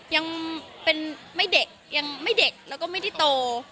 ยังเป็นไม่เด็กยังไม่เด็กแล้วก็ไม่ได้โต